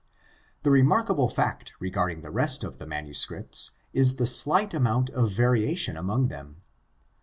The remarkable fact regarding the rest of the manuscripts is the slight amount of variation among them.